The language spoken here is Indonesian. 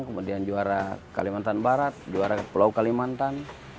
kemudian juara kalimantan barat juara pulau kalimantan